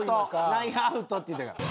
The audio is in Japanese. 内野アウトって言うたから。